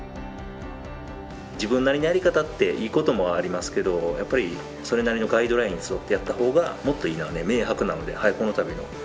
自分なりのやり方っていいこともありますけどやっぱりそれなりのガイドラインに沿ってやった方がもっといいのは明白なのでこの度のこのリニューアル